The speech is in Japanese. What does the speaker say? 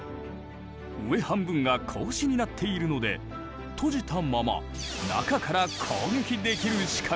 上半分が格子になっているので閉じたまま中から攻撃できる仕掛けだ。